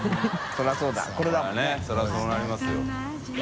そりゃそうなりますよ。